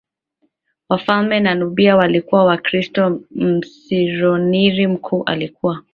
wafalme wa Nubia walikuwa Wakristo Mmisionari mkuu alikuwa